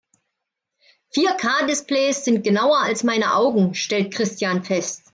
Vier-K-Displays sind genauer als meine Augen, stellt Christian fest.